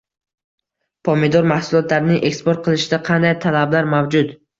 Pomidor mahsulotlarini eksport qilishda qanday talablar mavjud?ng